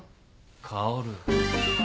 薫。